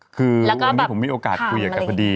คือวันนี้ผมมีโอกาสคุยกับพอดี